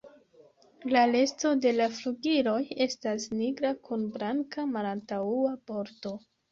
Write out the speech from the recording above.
La resto de la flugiloj estas nigra kun blanka malantaŭa bordo.